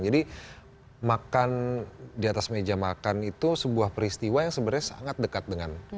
jadi makan di atas meja makan itu sebuah peristiwa yang sebenarnya sangat dekat dengan kita